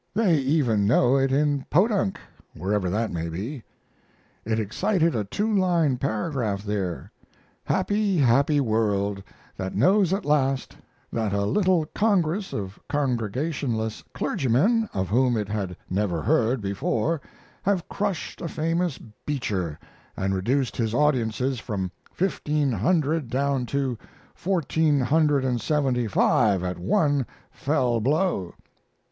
They even know it in Podunk, wherever that may be. It excited a two line paragraph there. Happy, happy world, that knows at last that a little congress of congregationless clergymen of whom it had never heard before have crushed a famous Beecher, and reduced his audiences from fifteen hundred down to fourteen hundred and seventy five at one fell blow!